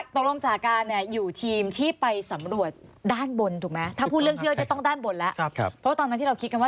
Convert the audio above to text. ตกลงให้พี่เรียกอะไรคะ